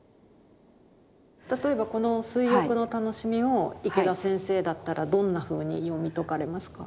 例えばこの「水浴の楽しみ」を池田先生だったらどんなふうに読み解かれますか？